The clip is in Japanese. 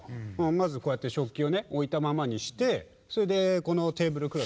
まずこうやってしょっきをねおいたままにしてそれでこのテーブルクロス。